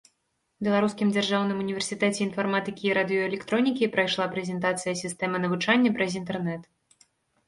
Беларускім дзяржаўным універсітэце інфарматыкі і радыёэлектронікі прайшла прэзентацыя сістэмы навучання праз інтэрнэт.